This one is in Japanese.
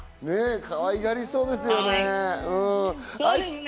可愛がりそうですよね。